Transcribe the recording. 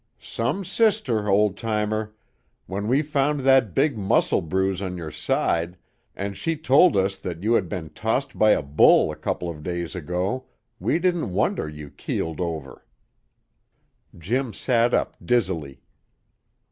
"Some sister, ol' timer! When we found that big muscle bruise on your side, and she told us that you had been tossed by a bull a couple of days ago, we didn't wonder you keeled over." Jim sat up dizzily.